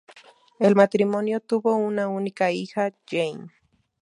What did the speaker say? El matrimonio tuvo una única hija, Jane.